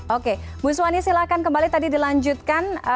oke ibu suwani silakan kembali tadi dilanjutkan